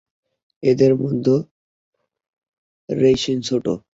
এদের মধ্যে রেইনিশ ছোট।